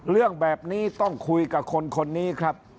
เรื่องแบบนี้ต้องคุยกับคนคนนี้ครับ